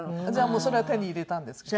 もうそれは手に入れたんですか？